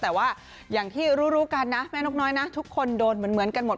แต่ว่าอย่างที่รู้กันนะแม่นกน้อยนะทุกคนโดนเหมือนกันหมด